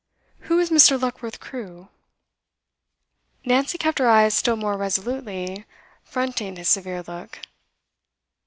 'Who is Mr. Luckworth Crewe?' Nancy kept her eyes still more resolutely fronting his severe look.